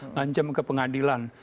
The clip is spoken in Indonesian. ngancam ke pengadilan